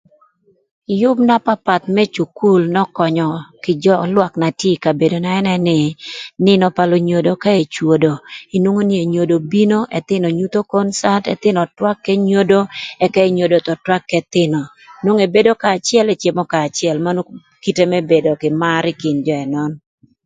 Yüb na papath më cukul n'ökönyö kï jö lwak na tye ï kabedona ënë nï, nïnö k'enyodo pa ecwodo nwongo nï enyodo bino ëthïnö nyutho koncat, ëthïnö twak k'enyodo ëka enyodo thon twak k'ëthïnö nwongo ebedo kanya acël ëka ecemo kanya acël manu kite më bedo kï mar ï kin jö ënön.